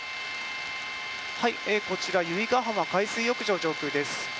由比ガ浜海水浴場、上空です。